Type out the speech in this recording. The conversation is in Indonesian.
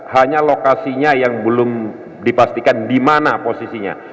hanya lokasinya yang belum dipastikan di mana posisinya